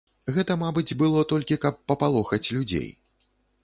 Гэта, мабыць, было толькі каб папалохаць людзей.